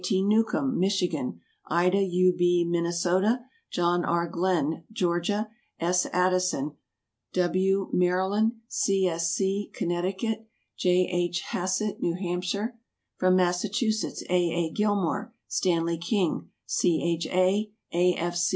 T. Newcombe, Michigan; Ida U. B., Minnesota; John R. Glen, Georgia; S. Addison W., Maryland; C. S. C., Connecticut; J. H. Hassett, New Hampshire. From Massachusetts A. A. Gilmore, Stanley King, C. H. A., A.